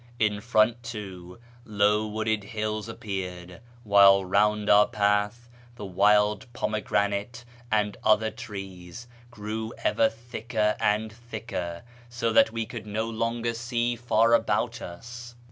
lu front, too, low wooded hills aj^peared, while round our path the wild pomegranate and other trees grew ever thicker and thicker, so that we could no longer see far about us.